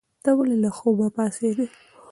ته ولې له خوبه پاڅېدې؟